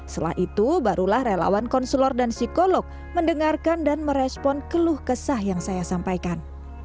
setelah itu barulah relawan konselor dan psikolog mendengarkan dan merespon keluh kesah yang saya sampaikan